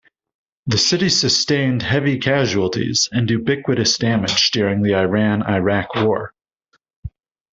The city sustained heavy casualties and ubiquitous damage during the Iran-Iraq war.